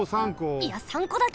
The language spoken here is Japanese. いや３こだけ！？